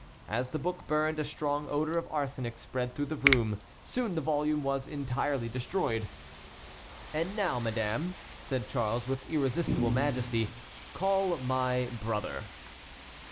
As the book burned a strong odor of arsenic spread through the room. Soon the volume was entirely destroyed. "And now, madame," said Charles, with irresistible majesty, "call my brother."